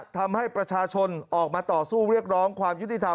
ทำให้ประชาชนออกมาต่อสู้เรียกร้องความยุติธรรม